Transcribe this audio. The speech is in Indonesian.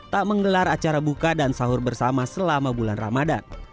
tak menggelar acara buka dan sahur bersama selama bulan ramadan